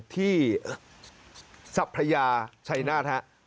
ที่สัพยาชัยนาธฮะ